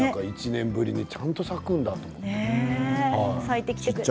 １年ぶりでちゃんと咲くんだって。